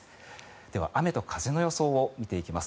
では、雨と風の予想を見ていきます。